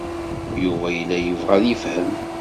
Yuba yella yebɣa ad yefhem.